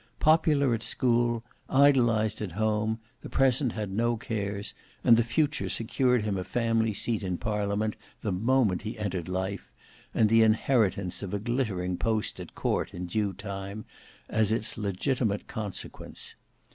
Popular at school, idolized at home, the present had no cares, and the future secured him a family seat in Parliament the moment he entered life, and the inheritance of a glittering post at court in due time, as its legitimate consequence.